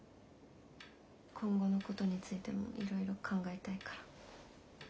今後のことについてもいろいろ考えたいから。